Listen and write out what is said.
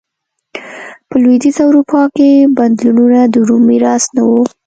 په لوېدیځه اروپا کې بدلونونه د روم میراث نه و.